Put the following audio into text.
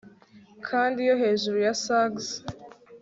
Kandi iyo hejuru ya surges